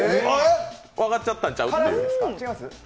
分かっちゃったんちゃう？という。